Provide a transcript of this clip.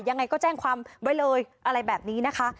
ยังไงก็แจ้งความไว้เลยอะไรแบบนี้นะคะ